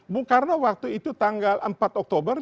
bung karno waktu itu tanggal empat oktober